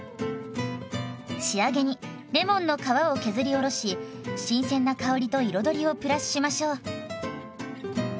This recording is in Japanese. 仕上げにレモンの皮を削りおろし新鮮な香りと彩りをプラスしましょう。